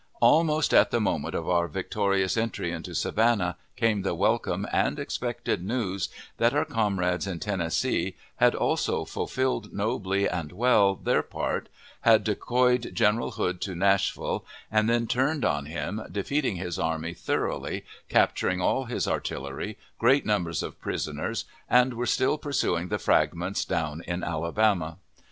Almost at the moment of our victorious entry into Savannah came the welcome and expected news that our comrades in Tennessee had also fulfilled nobly and well their part, had decoyed General Hood to Nashville and then turned on him, defeating his army thoroughly, capturing all his artillery, great numbers of prisoners, and were still pursuing the fragments down in Alabama.